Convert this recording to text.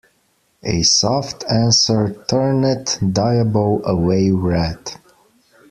A soft answer turneth diabo away wrath.